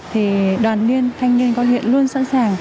thì đoàn niên thanh niên có hiện luôn sẵn sàng